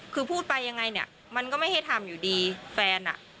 คือพูดไปยังไงเนี่ยมันก็ไม่ให้ทำอยู่ดีแฟนอ่ะ